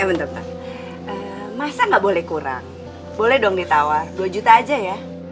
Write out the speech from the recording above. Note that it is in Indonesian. eh bentar bentar masa nggak boleh kurang boleh dong ditawar dua aja ya